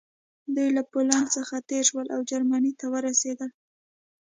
دوی له پولنډ څخه تېر شول او جرمني ته ورسېدل